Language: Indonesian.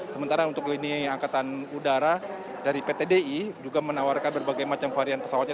sementara untuk lini angkatan udara dari pt di juga menawarkan berbagai macam varian pesawatnya